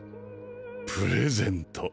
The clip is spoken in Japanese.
プレゼント！